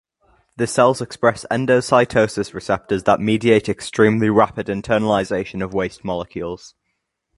The cells express endocytosis receptors that mediate extremely rapid internalization of waste molecules.